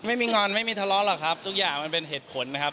งอนไม่มีทะเลาะหรอกครับทุกอย่างมันเป็นเหตุผลนะครับ